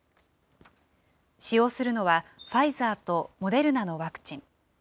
使用するのはファイザーとモデルナのワクチン。